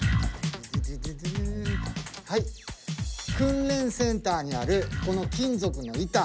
はい訓練センターにあるこの金属の板。